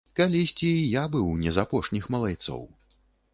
Калісьці і я быў не з апошніх малайцоў.